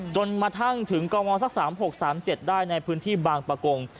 จนกระทั่งถึงกมสัก๓๖๓๗ได้ในพื้นที่บางประกง